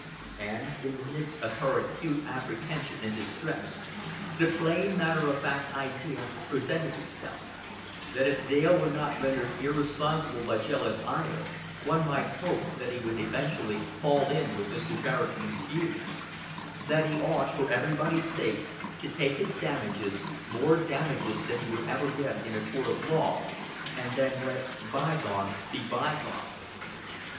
And in the midst of her acute apprehension and distress the plain matter of fact idea presented itself: that if Dale were not rendered irresponsible by jealous ire, one might hope that he would eventually fall in with Mr. Barradine's views that he ought, for everybody's sake, to take his damages, more damages than he would ever get in a court of law, and then let bygones be bygones.